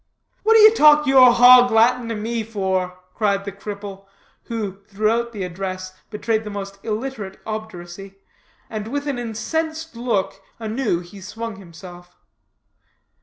"What do you talk your hog latin to me for?" cried the cripple, who, throughout the address, betrayed the most illiterate obduracy; and, with an incensed look, anew he swung himself.